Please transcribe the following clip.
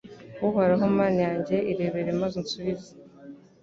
Uhoraho Mana yanjye irebere maze unsubize